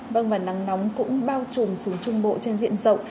vâng và nắng nóng cũng bao trùm xuống trung bộ trên diện rộng